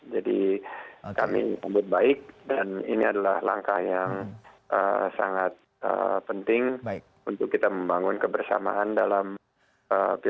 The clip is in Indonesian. jadi kami umur baik dan ini adalah langkah yang sangat penting untuk kita membangun kebersamaan dalam pilg